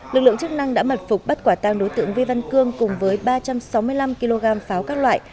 lực lượng chức năng đã mật phục bắt quả tăng đối tượng vi văn cương cùng với ba trăm sáu mươi năm kg pháo các loại